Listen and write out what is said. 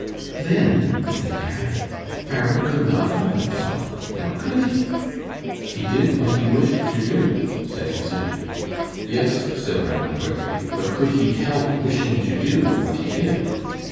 "Then," said Harry, "Pharaoh could not help himself. Now, could he?" "He did what he wished to do," said his aunt. "Yes," said Ranald, quickly, "but could he help wishing to do what he did?"